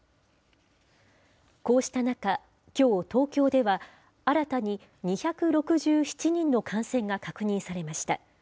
こうした中、きょう、東京では新たに２６７人の感染が確認されました。